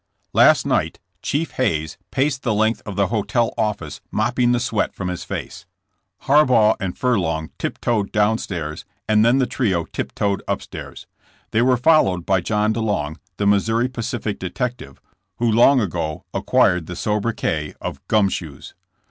Last night Chief Hayes paced the length of the hotel office mopping the sweat from his face. Har baugh and Furlong tip toed down stairs and then the trio tip toed up stairs. They were followed by John DeLong, the Missouri Pacific detective, who long ago acquired the sobriquet of ^'Gum Shoes.''